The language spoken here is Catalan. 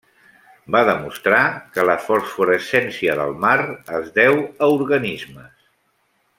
Va demostrar que la fosforescència del mar es deu a organismes.